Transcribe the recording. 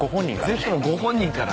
ぜひともご本人から。